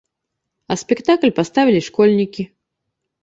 А спектакль паставілі школьнікі.